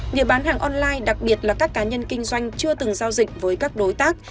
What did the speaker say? người bán hàng online đặc biệt là các cá nhân kinh doanh chưa từng giao dịch với các đối tác